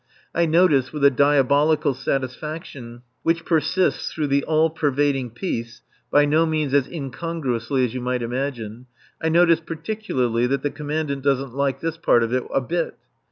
I notice with a diabolical satisfaction which persists through the all pervading peace by no means as incongruously as you might imagine I notice particularly that the Commandant doesn't like this part of it a bit.